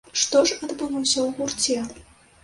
Што ж адбылося ў гурце?